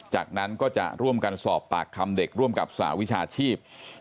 จากนั้นก็จะร่วมกันสอบปากคำเด็กร่วมกับสหวิชาชีพ